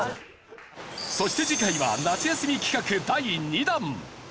そして次回は夏休み企画第２弾！